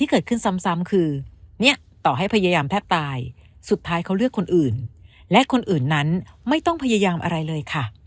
เขาเลือกคนอื่นและคนอื่นนั้นไม่ต้องพยายามอะไรเลยค่ะ